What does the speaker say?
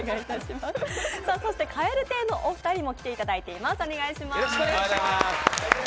そして蛙亭のお二人も来ていただいています。